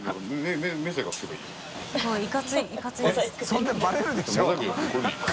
そんなバレるでしょ。